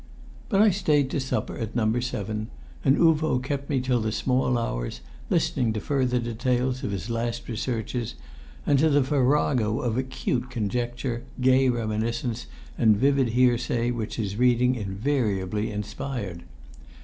But I stayed to supper at No. 7; and Uvo kept me till the small hours, listening to further details of his last researches, and to the farrago of acute conjecture, gay reminiscence and vivid hearsay which his reading invariably inspired.